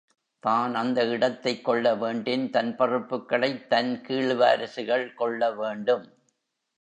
தான் அந்த இடத்தைக் கொள்ள வேண்டின், தன் பொறுப்புகளைத் தன் கீழ்வாரிசுகள் கொள்ளவேண்டும்.